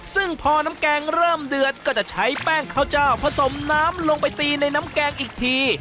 ซึ่งพอน้ำแกงเริ่มเดือดก็จะใช้แป้งข้าวเจ้าผสมน้ำลงไปตีในน้ำแกงอีกที